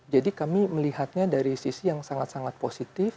jadi kami melihatnya dari sisi yang sangat sangat positif